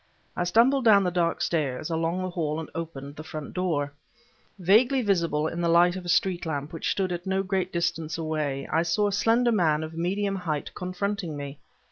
I stumbled down the dark stairs, along the hall, and opened the front door. Vaguely visible in the light of a street lamp which stood at no great distance away, I saw a slender man of medium height confronting me.